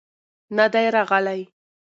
نه دى راغلى.